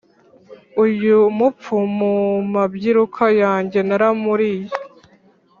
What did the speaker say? Uyu mupfu mu mabyiruka yanjye naramuliye